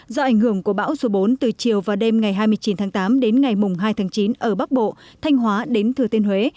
do ảnh hưởng của bão số bốn từ chiều và đêm ngày hai mươi chín tháng tám đến ngày mùng hai tháng chín ở bắc bộ thanh hóa đến thừa thiên huế